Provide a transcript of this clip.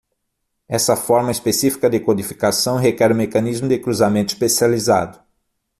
Essa forma específica de codificação requer um mecanismo de cruzamento especializado.